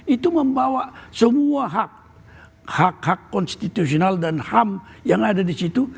itu membawa semua hak hak konstitusional dan ham yang ada di situ